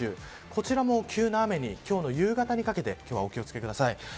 こちらも急な雨に今日の夕方にかけてお気を付けください。